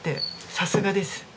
さすがです。